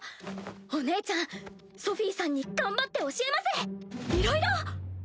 お姉ちゃんソフィさんに頑張って教えますいろいろ！